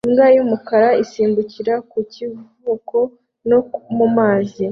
Imbwa y'umukara isimbukira ku kivuko no mu mazi